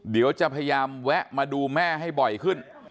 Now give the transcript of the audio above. เดี๋ยวจะพยายามแวะมาดูแม่ให้บ่อยขึ้น